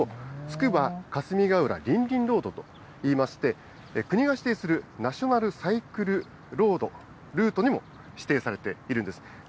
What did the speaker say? この２つをつくば霞ヶ浦りんりんロードといいまして、国が指定する、ナショナルサイクルロードルートにも指定されているんです。